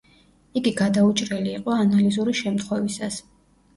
იგი გადაუჭრელი იყო ანალიზური შემთხვევისას.